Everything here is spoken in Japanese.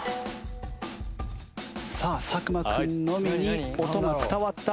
さあ作間君のみに音が伝わった。